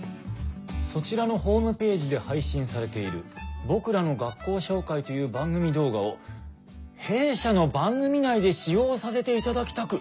「そちらのホームページで配信されている『僕らの学校紹介』という番組動画を弊社の番組内で使用させていただきたく」。